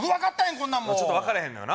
こんなんもうちょっと分からへんのよな